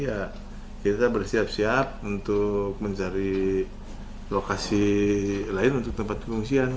ya kita bersiap siap untuk mencari lokasi lain untuk tempat pengungsian